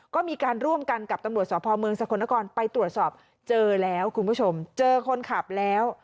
ก็มีการร่วมกันกับตำรวจสพเมืองสกลนครไปตรวจสอบเจอแล้วคุณผู้ชมเจอคนขับแล้ว